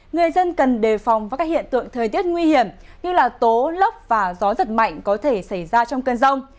người dân cần đề phòng với các hiện tượng thời tiết nguy hiểm như tố lốc và gió giật mạnh có thể xảy ra trong cơn rông